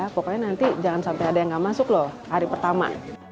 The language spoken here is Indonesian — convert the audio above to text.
pokoknya nanti jangan sampai ada yang nggak masuk loh hari pertama